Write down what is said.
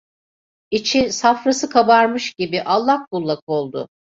İçi, safrası kabarmış gibi, allak bullak oldu.